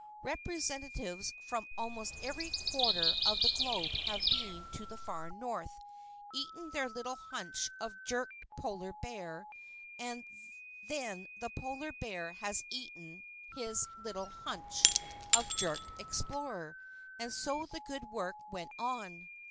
Representatives from almost every quarter of the globe have been to the far north, eaten their little hunch of jerked polar bear, and then the polar bear has eaten his little hunch of jerked explorer, and so the good work went on.